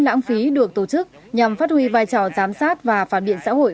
lãng phí được tổ chức nhằm phát huy vai trò giám sát và phản biện xã hội